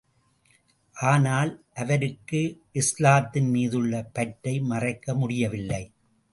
ஆனால், அவருக்கு இஸ்லாத்தின் மீதுள்ள பற்றை மறைக்க முடியவில்லை.